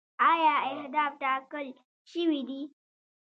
آیا اهداف ټاکل شوي دي؟